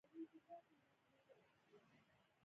د رویال جیلی د څه لپاره وکاروم؟